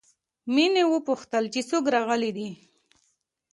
مينې وپوښتل چې څوک راغلي دي